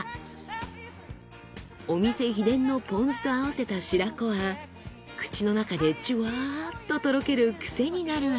お店秘伝のポン酢と合わせた白子は口の中でジュワーッととろけるクセになる味。